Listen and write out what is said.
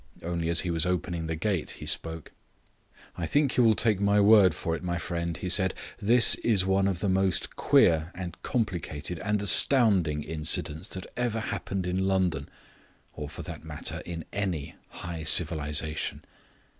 Only as he was opening the gate he spoke. "I think you will take my word for it, my friend," he said; "this is one of the most queer and complicated and astounding incidents that ever happened in London or, for that matter, in any high civilization."